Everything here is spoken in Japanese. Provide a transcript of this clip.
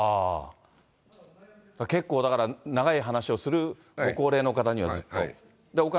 結構、だから長い話をするご高齢の方には、ずっと。